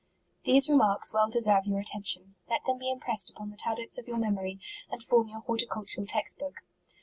These remarks well deserve your atten tion. Let them be impressed upon the tab lets of your memory, and form your horti* cultural text book.